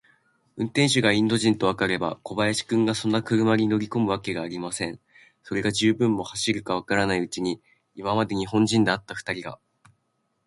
運転手がインド人とわかれば、小林君がそんな車に乗りこむわけがありません。それが、十分も走るか走らないうちに、今まで日本人であったふたりが、